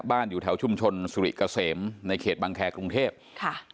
อยู่แถวชุมชนสุริเกษมในเขตบังแครกรุงเทพค่ะ